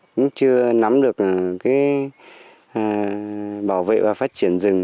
cũng chưa nắm được cái bảo vệ và phát triển rừng